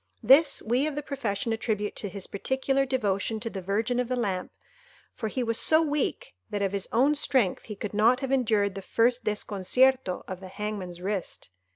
This we of the profession attribute to his particular devotion to the Virgin of the Lamp, for he was so weak, that, of his own strength, he could not have endured the first desconcierto of the hangman's wrist.